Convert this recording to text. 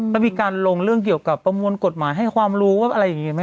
แล้วมีการลงเรื่องเกี่ยวกับประมวลกฎหมายให้ความรู้ว่าอะไรอย่างนี้ไหม